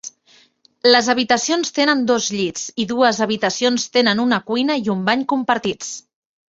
Les habitacions tenen dos llits, i dues habitacions tenen una cuina i un bany compartits.